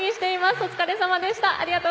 お疲れさまでした。